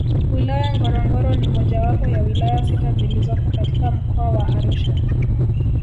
Wilaya Ngorongoro ni mojawapo ya wilaya sita zilizopo katika Mkoa wa Arusha